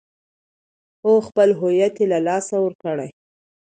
او خپل هويت له لاسه ور کړي .